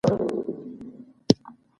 افغانستان کې رسوب د خلکو د خوښې وړ ځای دی.